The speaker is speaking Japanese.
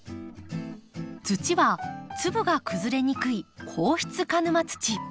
土は粒が崩れにくい硬質鹿沼土。